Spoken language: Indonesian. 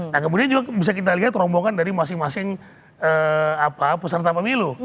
nah kemudian juga bisa kita lihat rombongan dari masing masing peserta pemilu